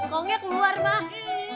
pokoknya keluar bang